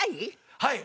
はい。